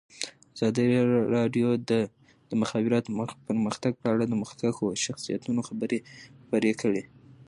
ازادي راډیو د د مخابراتو پرمختګ په اړه د مخکښو شخصیتونو خبرې خپرې کړي.